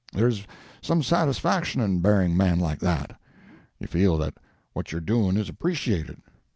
There's some satisfaction in buryin' a man like that. You feel that what you're doing is appreciated.